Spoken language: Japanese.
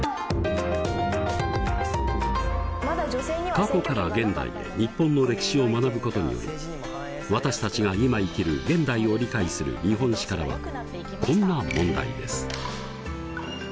過去から現代へ日本の歴史を学ぶことにより私たちが今生きる現代を理解する「日本史」からはこんな問題です。